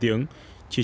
chỉ chẳng có gì